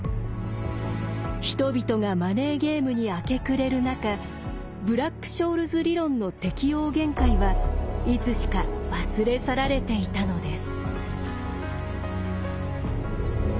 人々がマネーゲームに明け暮れる中ブラック・ショールズ理論の適用限界はいつしか忘れ去られていたのです。